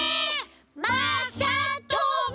まさとも！